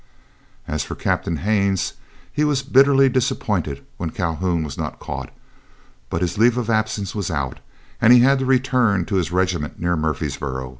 As for Captain Haines, he was bitterly disappointed when Calhoun was not caught. But his leave of absence was out, and he had to return to his regiment near Murfreesboro.